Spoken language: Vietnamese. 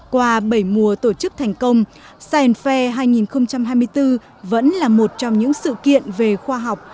qua bảy mùa tổ chức thành công scien fair hai nghìn hai mươi bốn vẫn là một trong những sự kiện về khoa học